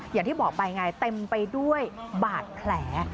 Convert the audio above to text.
อย่างที่บอกไปไงเต็มไปด้วยบาดแผล